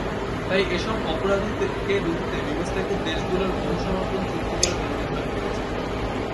তাই এসব অপরাধীকে রুখতে বিমসটেকের দেশগুলোর বহিঃসমর্পণ চুক্তি করা জরুরি হয়ে পড়েছে।